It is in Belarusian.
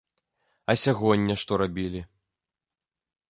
А сягоння што рабілі?